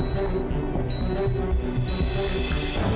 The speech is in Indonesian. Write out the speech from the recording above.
yang terbaik lagi mahdoll kita